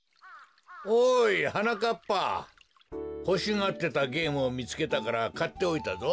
ほしがってたゲームをみつけたからかっておいたぞ。